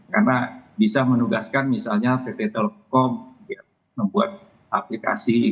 karena bisa menugaskan misalnya pt telekom membuat aplikasi